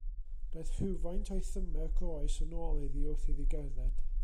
Daeth rhywfaint o'i thymer groes yn ôl iddi wrth iddi gerdded.